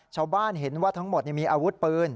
ชาวบ้านเห็นว่าทั้งหมดมีอาวุธปืน